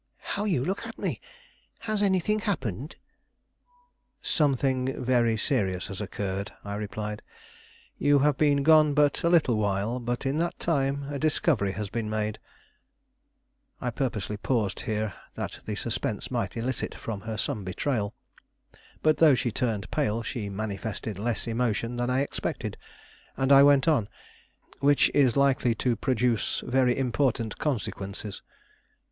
How you look at me! Has anything happened?" "Something very serious has occurred," I replied; "you have been gone but a little while, but in that time a discovery has been made " I purposely paused here that the suspense might elicit from her some betrayal; but, though she turned pale, she manifested less emotion than I expected, and I went on "which is likely to produce very important consequences."